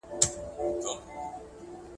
ایا زراعتي محصولاتو لپاره بازار سته؟